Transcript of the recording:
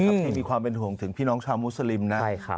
ที่มีความเป็นห่วงถึงพี่น้องชาวมุสลิมนะ